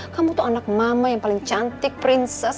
kamu tuh anak mama yang paling cantik princess